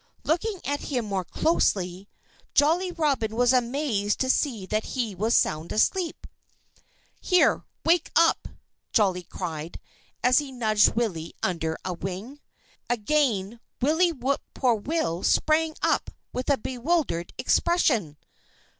Looking at him more closely, Jolly Robin was amazed to see that he was sound asleep. "Here, wake up!" Jolly cried, as he nudged Willie under a wing. Again Willie Whip poor will sprang up with a bewildered expression.